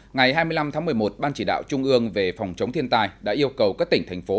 ngày hai mươi năm tháng một mươi một ban chỉ đạo trung ương về phòng chống thiên tai đã yêu cầu các tỉnh thành phố